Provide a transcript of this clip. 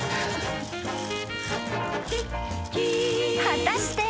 ［果たして］